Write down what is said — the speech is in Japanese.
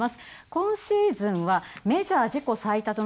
今シーズンはメジャー自己最多となる９勝。